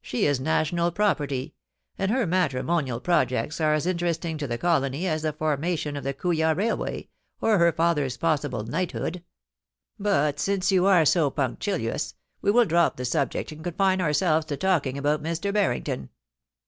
She is national property, and her matrimonial projects are as interesting to the colony as the formation of the Kooya Railway or her father's possible knighthood. But since you are so punctilious, we will drop the subject and confine our selves to talking about Mr. Barrington.